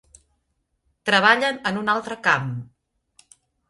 Treballen en un altre camp.